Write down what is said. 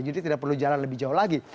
jadi tidak perlu jalan lebih jauh lagi